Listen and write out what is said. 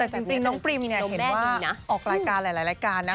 แต่จริงน้องปริมเนี่ยเห็นว่ามีออกรายการหลายรายการนะ